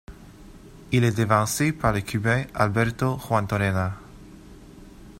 Il est devancé par le Cubain Alberto Juantorena.